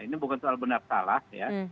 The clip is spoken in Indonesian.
ini bukan soal benar salah ya